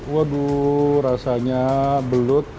waduh rasanya belut